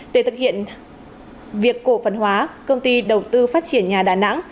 để thực hiện việc cổ phần hóa công ty đầu tư phát triển nhà đà nẵng